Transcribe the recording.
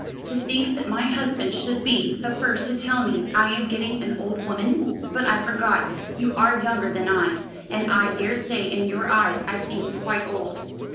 To think that my husband should be the first to tell me I am getting an old woman! But I forgot, you are younger than I, and I daresay in your eyes I seem quite old."